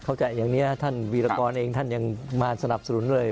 อย่างนี้ท่านวีรกรเองท่านยังมาสนับสนุนเลย